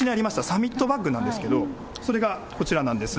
サミットバッグなんですけど、それがこちらなんです。